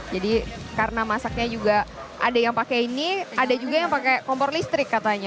jadi karena masaknya juga ada yang pakai ini ada juga yang pakai kompor listrik katanya